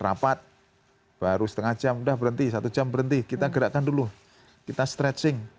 rapat baru setengah jam udah berhenti satu jam berhenti kita gerakkan dulu kita stretching